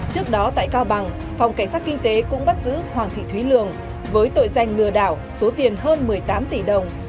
trước đó tại cao bằng phòng cảnh sát kinh tế cũng bắt giữ hoàng thị thúy lường với tội danh lừa đảo số tiền hơn một mươi tám tỷ đồng